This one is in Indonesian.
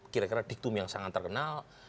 kira kira diktum yang sangat terkenal